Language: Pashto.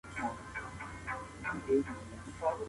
زه پاکوالی نه کوم.